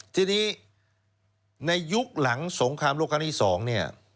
ทีนี้ในยุคหลังสงครามโลกครั้งที่๒เนี่ย